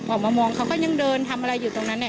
ออกมามองเขาก็ยังเดินทำอะไรอยู่ตรงนั้นเนี่ย